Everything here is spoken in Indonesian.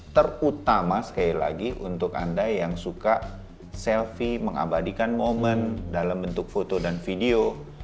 terutama sekali lagi untuk anda yang suka selfie mengabadikan momen dalam bentuk foto dan video